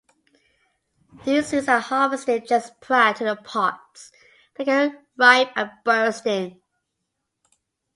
These seeds are harvested just prior to the pods becoming ripe and bursting.